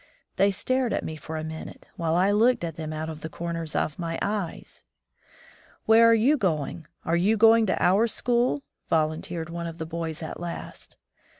They stared at me for a minute, while I looked at them out of the comers of my eyes. "Where are you going? Are you going to our school?" volunteered one of the boys at last.